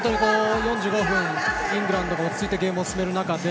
４５分、イングランドが落ち着いてゲームを進める中で